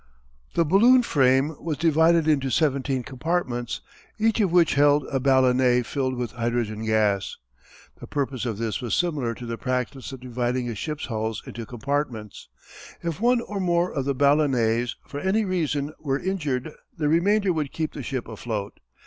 The balloon frame was divided into seventeen compartments, each of which held a ballonet filled with hydrogen gas. The purpose of this was similar to the practice of dividing a ship's hulls into compartments. If one or more of the ballonets, for any reason, were injured the remainder would keep the ship afloat.